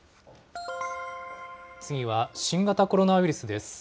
次は新型コロナウイルスです。